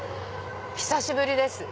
久しぶりです。